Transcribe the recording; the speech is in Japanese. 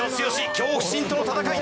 恐怖心との戦い